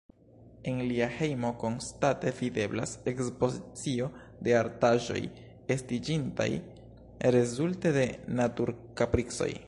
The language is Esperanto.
En lia hejmo konstante videblas ekspozicio de artaĵoj, estiĝintaj rezulte de naturkapricoj.